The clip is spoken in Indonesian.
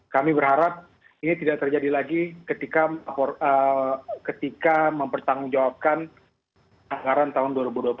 kami berharap ini tidak terjadi lagi ketika mempertanggungjawabkan anggaran tahun dua ribu dua puluh satu